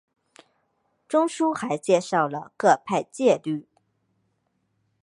书中还介绍了各派戒律。